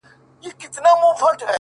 • څوک به څرنګه منتر د شیطان مات کړي ,